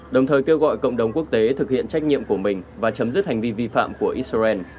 đồng thời kêu gọi cộng đồng quốc tế thực hiện trách nhiệm của mình và chấm dứt hành vi vi phạm của israel